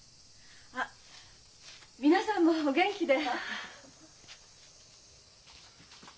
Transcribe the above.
あっ皆さんもお元気で！